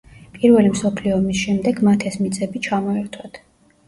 პირველი მსოფლიო ომის შემდეგ მათ ეს მიწები ჩამოერთვათ.